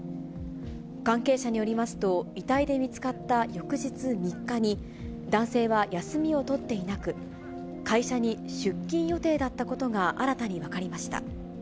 関係者によりますと、遺体で見つかった翌日３日に、男性は休みを取っていなく、会社に出勤予定だったことが新たに分かりました。